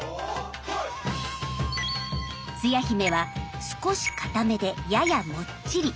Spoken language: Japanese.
つや姫は少しかためでややもっちり。